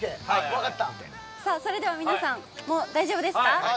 それでは皆さん大丈夫ですか？